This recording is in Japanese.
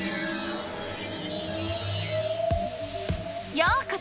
ようこそ！